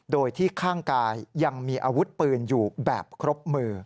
โดยที่ข้างกายยังมีอาวุธปืนอยู่แบบครบมือ